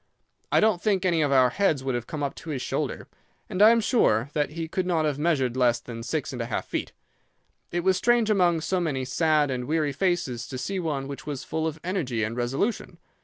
I don't think any of our heads would have come up to his shoulder, and I am sure that he could not have measured less than six and a half feet. It was strange among so many sad and weary faces to see one which was full of energy and resolution.